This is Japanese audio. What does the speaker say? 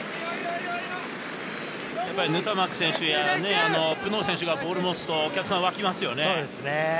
ヌタマック選手やプノー選手がボールを持つとお客さんは沸きますよね。